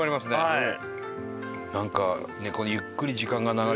はい。